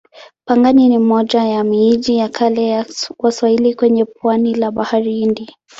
Pangani ni moja ya miji ya kale ya Waswahili kwenye pwani la Bahari Hindi.